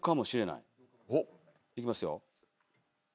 いきますよ。